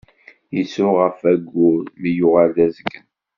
Yettru ɣef wayyur mi yuɣal d azgen.